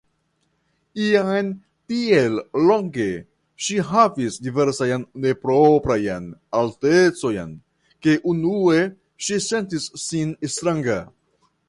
Jam tiel longe ŝi havis diversajn neproprajn altecojn ke unue ŝi sentis sin stranga.